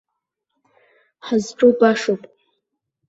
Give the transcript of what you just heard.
Ҳазҿу башоуп.